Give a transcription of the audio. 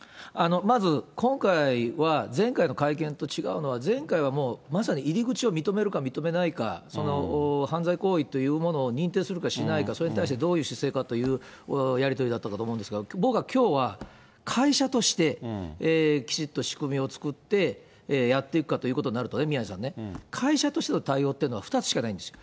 まず、今回は、前回の会見と違うのは、前回はもう、まさに入り口を認めるか認めないか、その犯罪行為というものを認定するか、しないか、それに対してどういう姿勢かというやり取りだったかと思うんですが、僕はきょうは、会社として、きちっと仕組みを作ってやっていくかということになるとね、宮根さんね、会社としての対応というのは２つしかないんです。